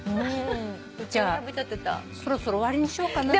じゃあそろそろ終わりにしようかな。